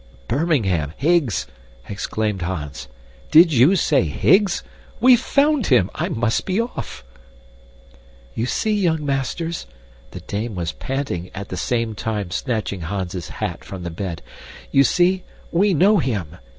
"Birmingham! Higgs!" exclaimed Hans. "Did you say Higgs? We've found him! I must be off." "You see, young masters." The dame was panting, at the same time snatching Hans's hat from the bed, "you see we know him.